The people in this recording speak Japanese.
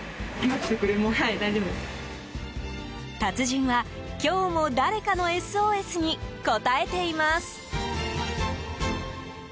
達人は今日も誰かのＳＯＳに応えています。